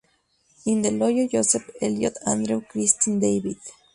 In del Hoyo, Josep; Elliott, Andrew; Christie, David.